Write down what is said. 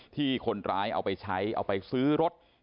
ที่คนร้ายเอาไปใช้เอาไปซื้อรถ